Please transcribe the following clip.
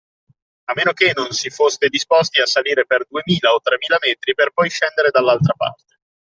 A meno che non si foste disposti a salire per duemila o tremila metri per poi scendere dall’altra parte